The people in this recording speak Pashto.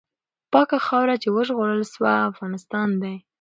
پاکه خاوره چې وژغورل سوه، افغانستان دی.